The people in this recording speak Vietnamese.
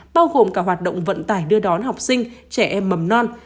bao gồm cả hoạt động vận tải đưa đón học sinh trẻ em mầm non